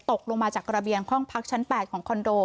ตกลงมาจากระเบียงห้องพักชั้น๘ของคอนโด